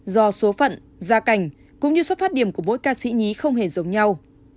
do số phận gia cảnh cũng như xuất phát điểm của mỗi ca sĩ nhí không hề giống nhau